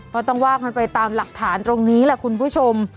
ก็ต้องว่ากันไปตามหลักฐานตรงนี้แหละคุณผู้ชม